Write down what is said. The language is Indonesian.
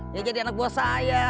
ya jadi anak buah saya